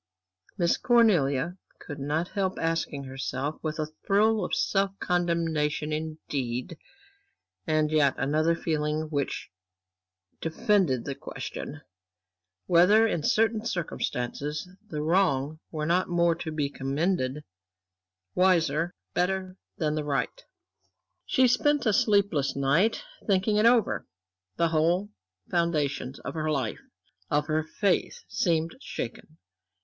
Miss Cornelia could not help asking herself with a thrill of self condemnation, indeed, and yet another feeling which defended the question whether in certain circumstances, the wrong were not more to be commended, wiser, better than the right. She spent a sleepless night, thinking it over. The whole foundations of her life, of her faith seemed shaken.